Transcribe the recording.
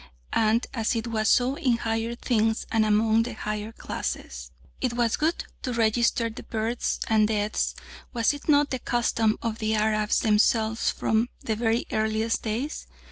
And it was so in higher things and among the higher classes. It was good to register births and deaths was it not the custom of the Arabs themselves from the very earliest days?